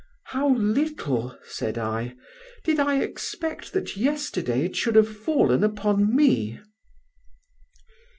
"'How little,' said I, 'did I expect that yesterday it should have fallen upon me!